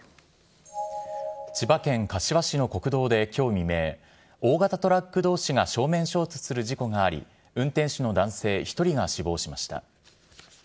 千葉県柏市の国道できょう未明、大型トラックどうしが正面衝突する事故があり、運転手の男性１人が死亡しました。